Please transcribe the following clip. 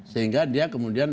sehingga dia kemudian